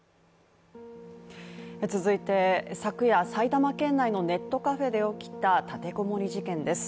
続いて、昨夜、埼玉県内のネットカフェで起きた立て籠もり事件です。